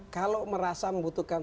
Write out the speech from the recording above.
kalau merasa membutuhkan